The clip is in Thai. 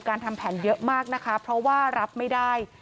ทำแผนเยอะมากนะคะเพราะว่ารับไม่ได้